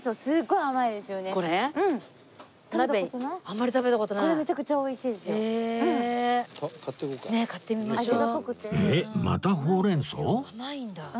甘いんだ。